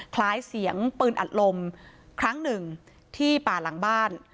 คล้ายเสียงปืนอัดลมครั้งหนึ่งที่ป่าหลังบ้าน